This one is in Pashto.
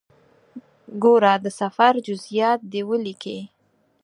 ګوره د سفر جزئیات دې ولیکې.